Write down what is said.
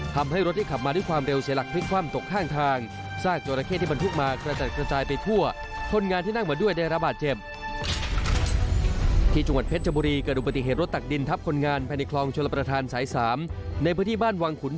ทำให้รถที่ขับมาด้วยความเร็วเสียหลักเพียงความตกข้างทาง